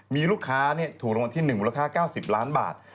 มีลูกค้าถูกรางวัลที่๑มูลค่า๙๐ล้านบาท